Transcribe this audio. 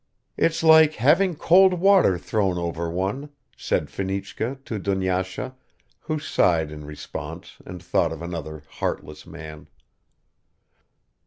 "It's like having cold water thrown over one," said Fenichka to Dunyasha, who sighed in response and thought of another "heartless" man.